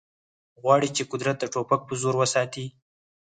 غواړي چې قدرت د ټوپک په زور وساتي